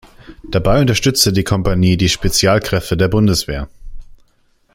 Dabei unterstützte die Kompanie die Spezialkräfte der Bundeswehr.